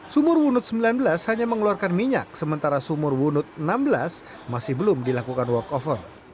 sumur wunut sembilan belas hanya mengeluarkan minyak sementara sumur wunut enam belas masih belum dilakukan work over